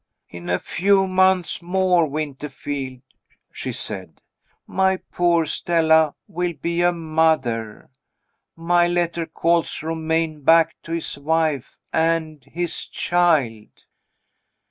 "In a few months more, Winterfield," she said, "my poor Stella will be a mother. My letter calls Romayne back to his wife _and his child."